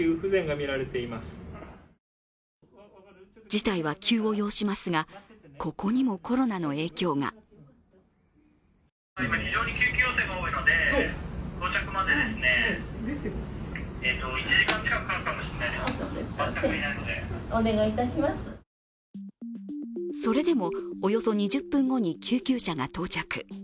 事態は急を要しますが、ここにもコロナの影響がそれでも、およそ２０分後に救急車が到着。